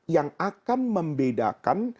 yang akan membedakan